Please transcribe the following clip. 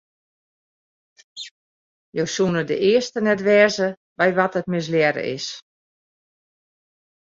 Jo soene de earste net wêze by wa't it mislearre is.